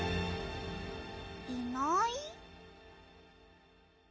いない？